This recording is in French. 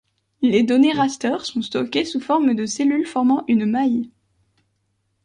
Les données raster sont stockées sous formes de cellules formant une maille.